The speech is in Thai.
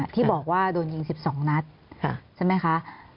ที่บอกว่าโดนยิง๑๒นัดใช่ไหมคะ